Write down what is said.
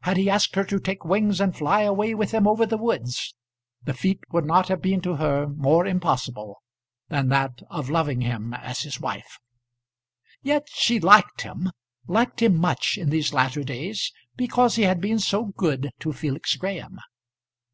Had he asked her to take wings and fly away with him over the woods, the feat would not have been to her more impossible than that of loving him as his wife. Yet she liked him, liked him much in these latter days, because he had been so good to Felix Graham.